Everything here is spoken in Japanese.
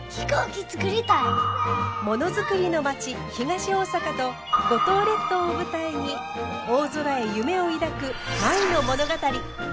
ものづくりの町東大阪と五島列島を舞台に大空へ夢を抱く舞の物語。